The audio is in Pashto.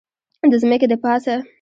د ځمکې دپاسه